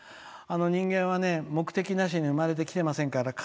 人間は目的なしに生まれてきていませんから。